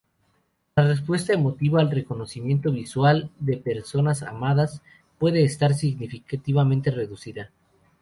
La respuesta emotiva al reconocimiento visual de personas amadas puede estar significativamente reducida.